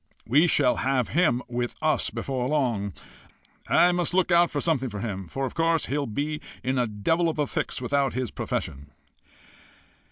We shall have him with us before long. I must look out for something for him, for of course he'll be in a devil of a fix without his profession."